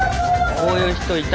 こういう人いた。